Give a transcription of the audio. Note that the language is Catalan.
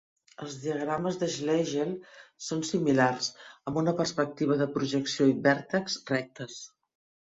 Els diagrames de Schlegel són similars, amb una perspectiva de projecció i vèrtex rectes.